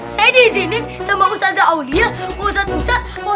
saya diizinin sama ustazah aulia ustadz musa ustadz riban